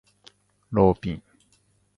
ローピン